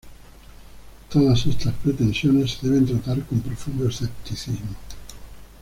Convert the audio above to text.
Todas estas pretensiones se deben tratar con profundo escepticismo.